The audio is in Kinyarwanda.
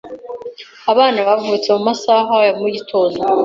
Abana bavutse mu masaha yo mu gitondo